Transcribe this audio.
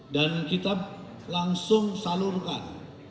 dan kita langsung salurkan